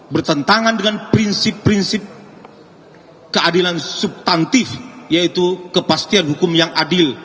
bertentangan dengan prinsip prinsip keadilan subtantif yaitu kepastian hukum yang adil